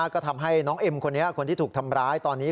ก็ทำให้น้องเอ็มคนนี้คนที่ถูกทำร้ายตอนนี้